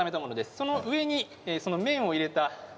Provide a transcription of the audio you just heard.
その上に麺を入れた。